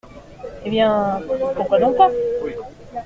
Eh bien, pourquoi donc pas ?